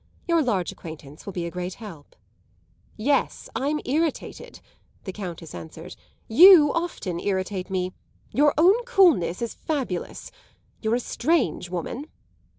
Your large acquaintance will be a great help." "Yes, I'm irritated," the Countess answered. "You often irritate me. Your own coolness is fabulous. You're a strange woman."